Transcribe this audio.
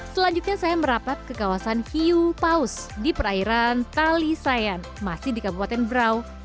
selanjutnya saya merapat ke kawasan hiupaus di perairan talisayan masih di kabupaten brau